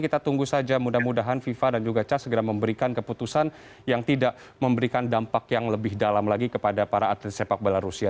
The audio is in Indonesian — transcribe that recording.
kita tunggu saja mudah mudahan fifa dan juga cas segera memberikan keputusan yang tidak memberikan dampak yang lebih dalam lagi kepada para atlet sepak bola rusia